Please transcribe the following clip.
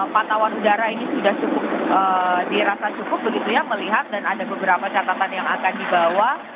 pantauan udara ini sudah cukup dirasa cukup begitu ya melihat dan ada beberapa catatan yang akan dibawa